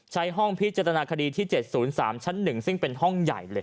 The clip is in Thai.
ห้องพิจารณาคดีที่๗๐๓ชั้น๑ซึ่งเป็นห้องใหญ่เลย